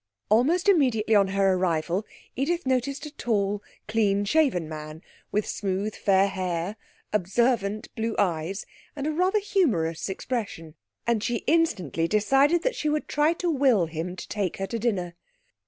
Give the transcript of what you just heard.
Almost immediately on her arrival Edith noticed a tall, clean shaven man, with smooth fair hair, observant blue eyes, and a rather humorous expression, and she instantly decided that she would try to will him to take her to dinner.